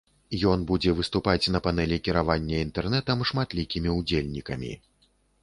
Ён будзе выступаць на панэлі кіравання інтэрнэтам шматлікімі ўдзельнікамі.